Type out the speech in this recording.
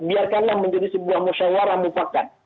biarkanlah menjadi sebuah musyawarah mufakat